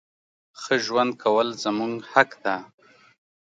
ښه ژوند کول زمونږ حق ده.